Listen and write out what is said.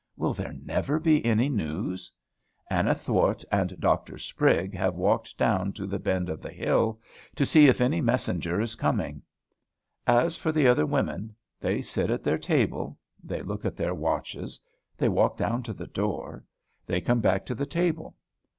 Will there never be any news? Anna Thwart and Doctor Sprigg have walked down to the bend of the hill, to see if any messenger is coming. As for the other women, they sit at their table; they look at their watches; they walk down to the door; they come back to the table.